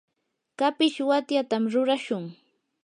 kapish watyatam rurashun.